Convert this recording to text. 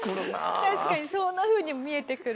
確かにそんなふうにも見えてくる。